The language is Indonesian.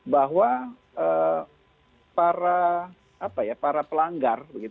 bahwa para pelanggar